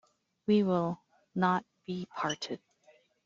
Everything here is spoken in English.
We will not be parted.